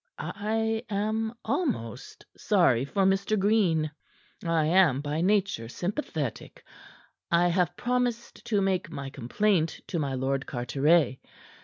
I am almost sorry for Mr. Green. I am by nature sympathetic. I have promised to make my complaint to my Lord Carteret.